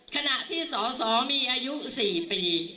ขณะที่สสมีอายุ๔ปี